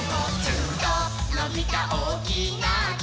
「ヅンとのびたおおきなき」